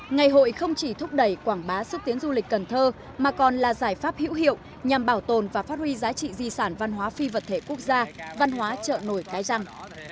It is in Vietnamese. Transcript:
ngày hội không chỉ thúc đẩy quảng bá sức tiến du lịch cần thơ mà còn là giải pháp hữu hiệu nhằm bảo tồn và phát huy giá trị di sản văn hóa phi vật thể quốc gia văn hóa chợ nổi cái răng